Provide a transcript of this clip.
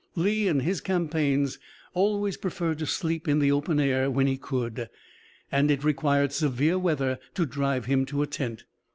Lee in his campaigns always preferred to sleep in the open air, when he could, and it required severe weather to drive him to a tent.